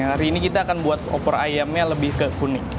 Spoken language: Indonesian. hari ini kita akan buat opor ayamnya lebih ke kuning